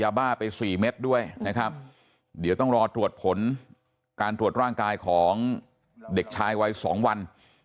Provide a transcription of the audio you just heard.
ยาบ้าไปสี่เม็ดด้วยนะครับเดี๋ยวต้องรอตรวจผลการตรวจร่างกายของเด็กชายวัยสองวัน